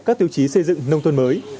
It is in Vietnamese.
các tiêu chí xây dựng nông thôn mới